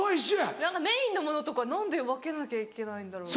メインのものとか何で分けなきゃいけないんだろう。